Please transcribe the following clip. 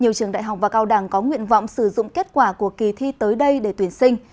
nhiều trường đại học và cao đẳng có nguyện vọng sử dụng kết quả của kỳ thi tới đây để tuyển sinh